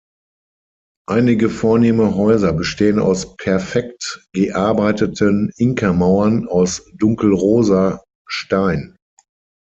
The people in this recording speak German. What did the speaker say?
Einige vornehme Häuser bestehen aus perfekt gearbeiteten Inka-Mauern aus dunkelrosa Stein.